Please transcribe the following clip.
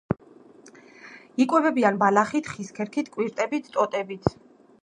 იკვებებიან ბალახით, ხის ქერქით, კვირტებით, ტოტებით.